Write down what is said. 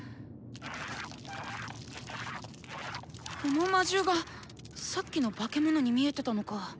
この魔獣がさっきの化け物に見えてたのか。